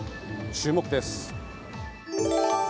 注目です。